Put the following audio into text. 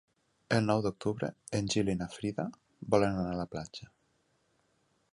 El nou d'octubre en Gil i na Frida volen anar a la platja.